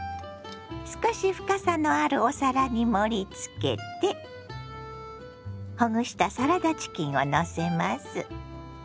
少し深さのあるお皿に盛りつけてほぐしたサラダチキンをのせます。